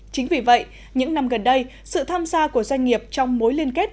chính vì vậy những năm gần đây sự tham gia của doanh nghiệp trong mối liên kết